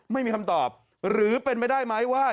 ไม่มีคำตอบหรือเป็นไปได้ไหมว่า